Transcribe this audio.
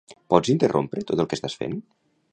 Pots interrompre tot el que estàs fent?